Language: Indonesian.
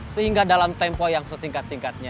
sehingga dalam tempo yang sesingkat singkatnya